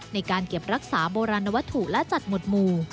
ในการเก็บรักษาโบราณวัตถุและจัดหมดหมู่